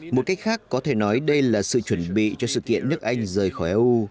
một cách khác có thể nói đây là sự chuẩn bị cho sự kiện nước anh rời khỏi eu